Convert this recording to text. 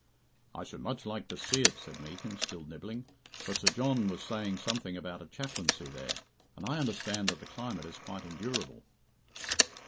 "I should much like to see it," said Meekin, still nibbling, "for Sir John was saying something about a chaplaincy there, and I understand that the climate is quite endurable."